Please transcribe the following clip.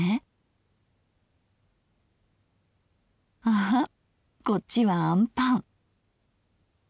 あはこっちはアンパン。